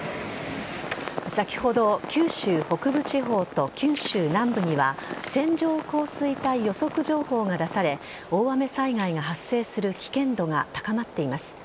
先ほど九州北部地方と九州南部には線状降水帯予測情報が出され大雨災害が発生する危険度が高まっています。